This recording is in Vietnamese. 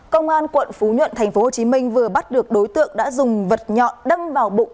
công an quận phú nhuận tp hcm vừa bắt được đối tượng đã dùng vật nhọn đâm vào bụng